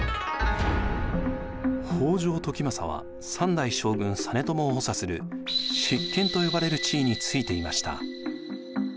北条時政は３代将軍実朝を補佐する執権と呼ばれる地位に就いていました。